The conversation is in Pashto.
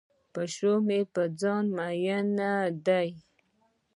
پیشو مې په ځان مین دی.